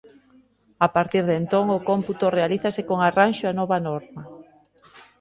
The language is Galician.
A partir de entón, o cómputo realízase con arranxo á nova norma.